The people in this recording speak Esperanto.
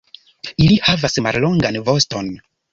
Ili havas mallongan voston.